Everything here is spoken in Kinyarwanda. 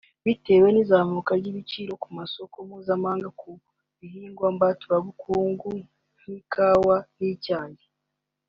byatewe n'izamuka ry'ibiciro ku masoko mpuzamahanga ku bihingwa mbaturabukungu nk'ikawa n'icyayi